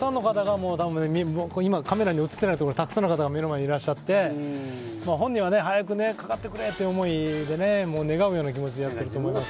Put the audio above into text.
今、カメラに映っていないところにたくさんの方が目の前にいらっしゃって本人は早くかかってくれという思いで願うような気持ちでやっていると思いますね。